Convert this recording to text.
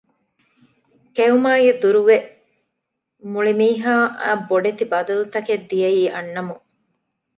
ކެއުމާއި ދުރުވެ މުޅި މީހާ އަށް ބޮޑެތި ބަދަލުތަކެއް ދިޔައީ އަންނަމުން